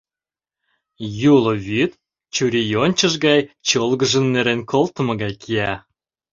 Юл вӱд чурийончыш гай чолгыжын нерен колтымо гай кия.